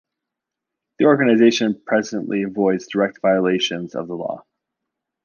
The organization presently avoids direct violations of the law.